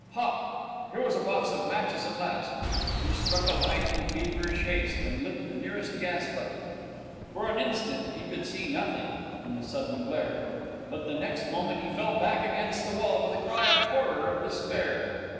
Ha! here was a box of matches at last! He struck a light in feverish haste, and lit the nearest gas bracket. For an instant he could see nothing, in the sudden glare; but the next moment he fell back against the wall with a cry of horror and despair.